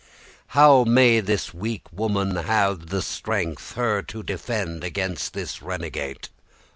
How may this weake woman have the strength Her to defend against this renegate?